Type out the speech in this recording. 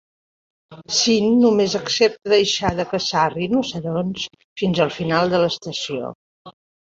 Sean només accepta deixar de caçar rinoceronts fins al final de l'estació.